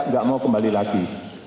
nggak mau kembali lagi